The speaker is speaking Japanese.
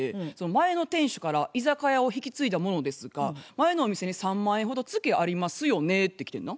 「前の店主から居酒屋を引き継いだ者ですが前のお店に３万円ほどツケありますよね」ってきてんな。